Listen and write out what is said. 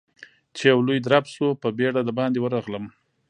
چې يو لوی درب شو، په بيړه د باندې ورغلم.